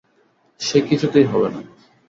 সে কিছুতেই হবে না।